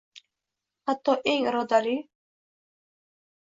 Hatto eng irodali